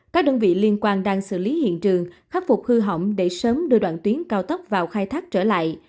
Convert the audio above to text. các đơn vị liên quan đang xử lý hiện trường khắc phục hư hỏng để sớm đưa đoạn tuyến cao tốc vào khai thác trở lại